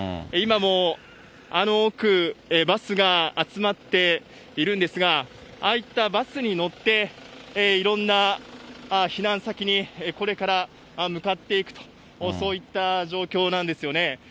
今もあの奥、バスが集まっているんですが、ああいったバスに乗っていろんな避難先にこれから向かっていくと、そういった状況なんですよね。